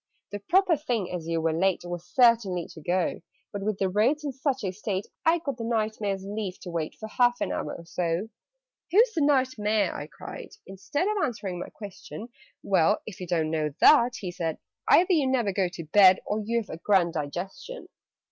"The proper thing, as you were late, Was certainly to go: But, with the roads in such a state, I got the Knight Mayor's leave to wait For half an hour or so." "Who's the Knight Mayor?" I cried. Instead Of answering my question, "Well! If you don't know that," he said, "Either you never go to bed, Or you've a grand digestion!